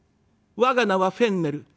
「我が名はフェンネル。